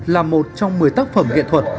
là một trong một mươi tác phẩm nghệ thuật